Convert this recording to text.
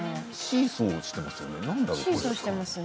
シーソーをしていますね。